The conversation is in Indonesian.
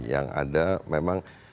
yang ada memang